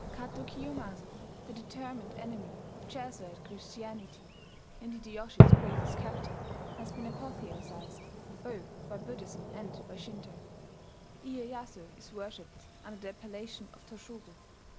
Kato Kiyomasa, the determined enemy of Jesuit Christianity, and Hideyoshi's greatest captain, has been apotheosized both by Buddhism and by Shinto. Iyeyasu is worshipped under the appellation of Toshogu.